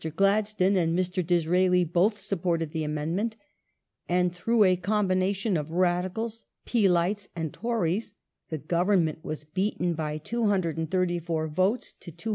Gladstone and Mr. Disraeli both supported the amendment, and through a com bination of Radicals, Peelites,^ and Tories the Government was beaten by 234 votes to 215.